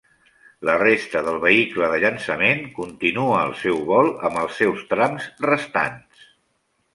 La resta del vehicle de llançament continua el seu vol amb els seus trams restants.